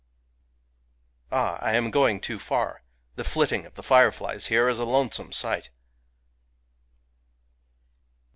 Ah, I am going too far !... The flitting of the fire flies here is a lonesome sight